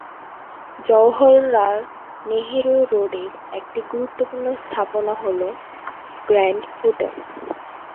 জওহরলাল নেহেরু রোডের একটি গুরুত্বপূর্ণ স্থাপনা হল গ্র্যান্ড হোটেল।